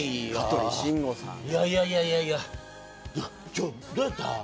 ちょどうやった？